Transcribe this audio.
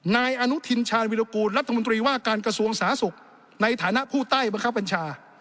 นายอนุทินชาญวิรากูลรัฐมนตรีว่าการกระทรวงสาธารณสุขในฐานะผู้ใต้บังคับบัญชา